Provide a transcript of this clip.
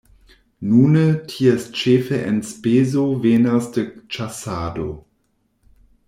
Nune ties ĉefe enspezo venas de ĉasado.